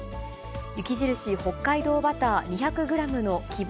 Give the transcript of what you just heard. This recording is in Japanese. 雪印北海道バター２００グラムの希望